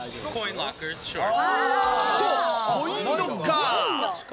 そう、コインロッカー。